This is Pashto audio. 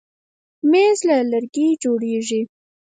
مېز له لرګي جوړېږي.